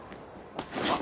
あっ！